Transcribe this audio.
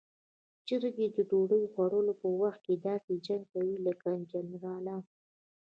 چرګې د ډوډۍ خوړلو په وخت کې داسې جنګ کوي لکه جنرالان.